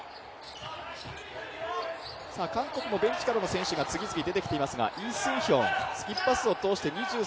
韓国もベンチからの選手が次々と出てきていますが、イ・スンヒョン。